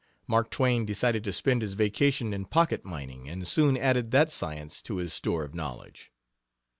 Mark Twain decided to spend his vacation in pocket mining, and soon added that science to his store of knowledge.